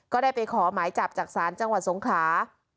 ก็ได้ไปขอหมายจับจากศาลจังหวัดสงขลา